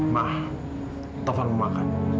ma tovan mau makan